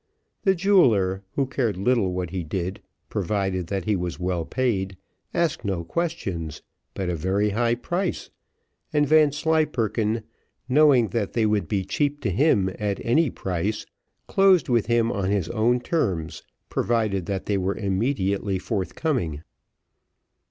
The jeweller, who cared little what he did, provided that he was well paid, asked no questions, but a very high price, and Vanslyperken, knowing that they would be cheap to him at any price, closed with him on his own terms, provided that they were immediately forthcoming.